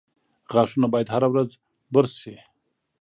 • غاښونه باید هره ورځ برس شي.